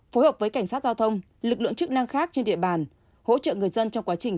phối hợp với cảnh sát giao thông lực lượng chức năng khác trên địa bàn hỗ trợ người dân trong quá trình